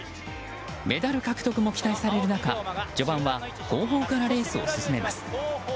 メダル獲得も期待される中序盤は後方からレースを進めます。